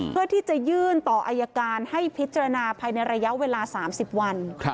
เพื่อที่จะยื่นต่ออายการให้พิจารณาภายในระยะเวลา๓๐วัน